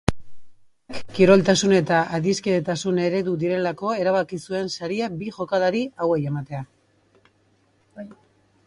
Epaimahaiak kiroltasun eta adiskidetasun eredu direlako erabaki zuen saria bi jokalari hauei ematea.